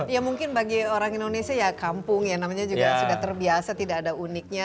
ya mungkin bagi orang indonesia ya kampung ya namanya juga sudah terbiasa tidak ada uniknya